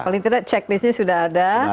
paling tidak checklistnya sudah ada